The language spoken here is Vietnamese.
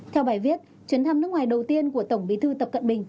theo bài viết chuyến thăm nước ngoài đầu tiên của tổng bí thư tập cận bình